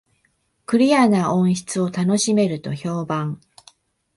クリアな音質を楽しめると評判